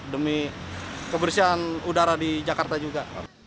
demi kebersihan udara di jakarta juga